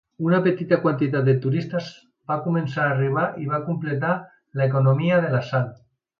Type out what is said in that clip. Una petita quantitat de turistes va començar a arribar i va complementar l'economia de la sal.